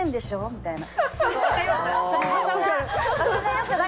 みたいな。